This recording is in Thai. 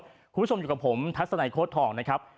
คุณผู้ชมอยู่กับผมทัศนัยโค้ดทองนะครับ